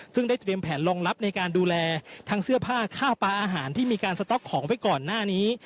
ซึ่งได้เตรียมแผนรองรับในการดูแลทั้งเสื้อผ้าข้าวปลาอาหารที่มีการสต๊อกของไว้ก่อนหน้านี้